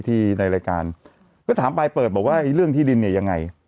ในรายการก็ถามปลายเปิดบอกว่าเรื่องที่ดินเนี่ยยังไง